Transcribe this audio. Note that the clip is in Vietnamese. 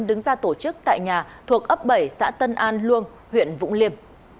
đứng ra tổ chức tại nhà thuộc ấp bảy xã tân an luông huyện vũng liêm